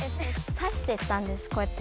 さしてったんですこうやって。